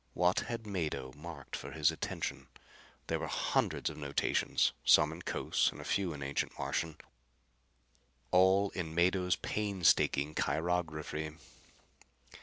What had Mado marked for his attention? There were hundreds of notations, some in Cos and a few in the ancient Martian, all in Mado's painstaking chirography.